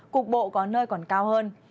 cục bộ có nơi còn cao hơn